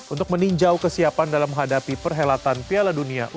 untuk meninjau kesiapan dalam menghadapi perhelatan piala dunia u dua puluh